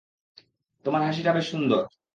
তোমার হাসিটা বেশ সুন্দর।